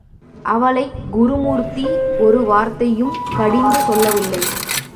அவளைக் குருமூர்த்தி ஒரு வார்த்தையும் கடிந்து சொல்லவில்லை.